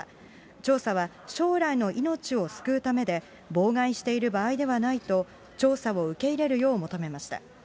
調査は将来の命を救うためで、妨害している場合ではないと、調査を受け入れるよう求めました。